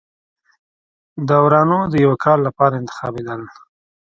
داورانو د یوه کال لپاره انتخابېدل.